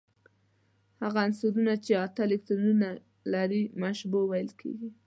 هغه عنصرونه چې اته الکترونونه لري مشبوع ویل کیږي.